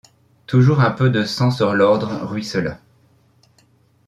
Toujours un. peu de sang sur l'ordre ruissela ;